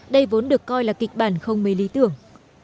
đây vốn được coi là kịch bản không mấy lý tưởng